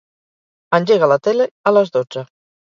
Engega la tele a les dotze.